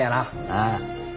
ああ。